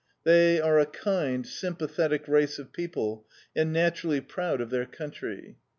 They are a kind, sympathetic race of people and naturally pnmd of their country.